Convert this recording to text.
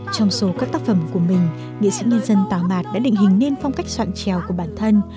trong số các tác phẩm của mình nghệ sĩ nhân dân tào mạt đã định hình nên phong cách soạn trèo của bản thân